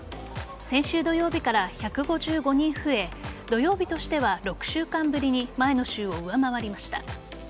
先週土曜日から１５５人増え土曜日としては６週間ぶりに前の週を上回りました。